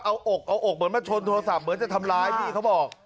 เอาอกเอาอกเหมือนมาชนโทรศัพท์เหมือนจะทำร้ายพี่เขาบอก